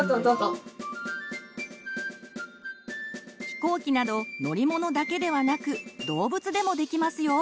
ひこうきなど乗り物だけではなく動物でもできますよ！